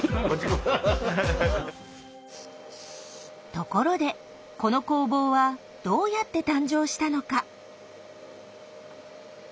ところでこの工房はどうやって誕生したのか？